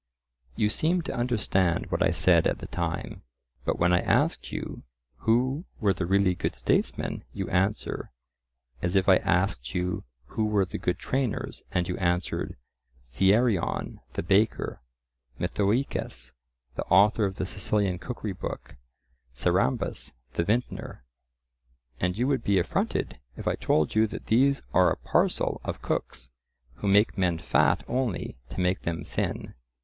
You seemed to understand what I said at the time, but when I ask you who were the really good statesmen, you answer—as if I asked you who were the good trainers, and you answered, Thearion, the baker, Mithoecus, the author of the Sicilian cookery book, Sarambus, the vintner. And you would be affronted if I told you that these are a parcel of cooks who make men fat only to make them thin.